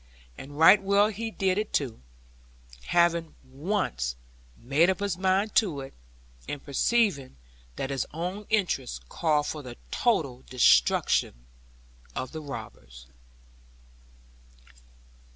And right well he did it too, having once made up his mind to it; and perceiving that his own interests called for the total destruction of the robbers.